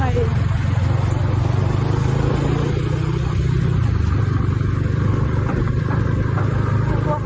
จัดกระบวนพร้อมกัน